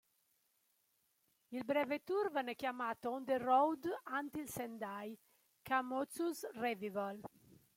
Il breve Tour venne chiamato "On the Road Until Sendai Kamotsu's Revival".